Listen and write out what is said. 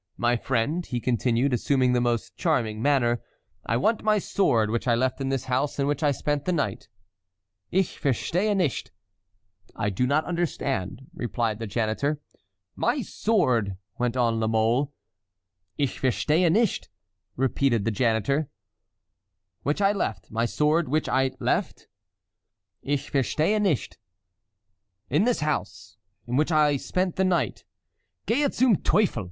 "My friend," he continued, assuming the most charming manner, "I want my sword which I left in this house in which I spent the night." "Ich verstehe nicht," (I do not understand,) replied the janitor. "My sword," went on La Mole. "Ich verstehe nicht," repeated the janitor. "—which I left—my sword which I left"— "Ich verstehe nicht." "—in this house, in which I spent the night." "Gehe zum Teufel!"